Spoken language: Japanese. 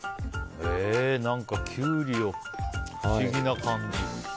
キュウリを不思議な感じ。